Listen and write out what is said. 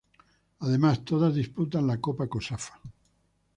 Además, todos disputan la Copa Cosafa.